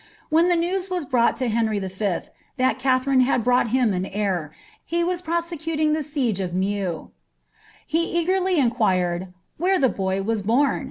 When the news wa« brought to Henry V. that Katherine had brought him an heir, he was prosecuting the siege of Meaux. He eagerly inquired ^ wliere the boy was bom ?"